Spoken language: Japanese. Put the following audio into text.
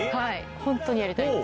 本当にやりたいんです。